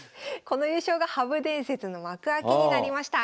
この優勝が羽生伝説の幕開けになりました。